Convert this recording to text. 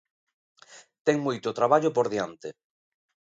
Ten moito traballo por diante.